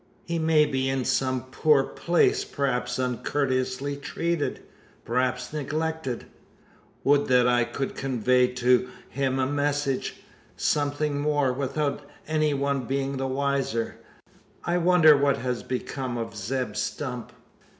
He may be in some poor place perhaps uncourteously treated perhaps neglected? Would that I could convey to him a message something more without any one being the wiser! I wonder what has become of Zeb Stump?"